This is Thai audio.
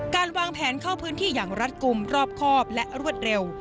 การวางแผนเข้าพื้นที่อย่างรัดกลุ่มรอบครอบและรวดเร็ว